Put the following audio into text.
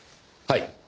はい。